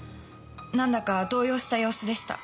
なんだか動揺した様子でした。